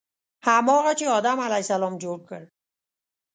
هماغه چې آدم علیه السلام جوړ کړ.